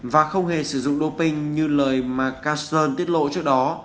và không hề sử dụng doping như lời mà castron tiết lộ trước đó